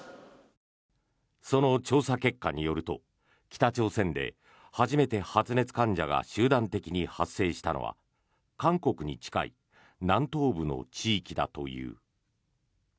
その調査結果によると北朝鮮で初めて発熱患者が集団的に発生したのは韓国に近い南東部の地域だという。